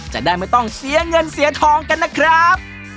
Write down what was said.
จะได้ไม่ต้องเสียเงินเสียทองกันนะครับ